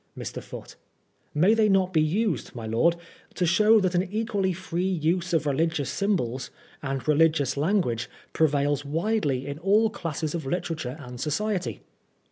Mr. Foote : May they not be used, my lord to show that an equally free use of religious symbols, and religious language, prevails widely in all elates of literature and society